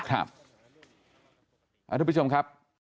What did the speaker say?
ครับทุกผู้ชมครับ